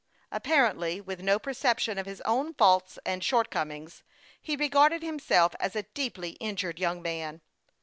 Apparently with no perception of his own faults and short comings, he regarded himself as a deeply injured young man.